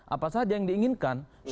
apa saja yang diinginkan